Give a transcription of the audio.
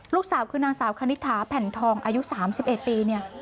ลูกสาวคือนางสาวคณิษฐาภัณฑ์ทองอายุ๓๑ปี